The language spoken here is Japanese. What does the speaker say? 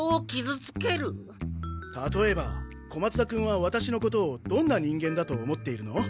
たとえば小松田君はワタシのことをどんな人間だと思っているの？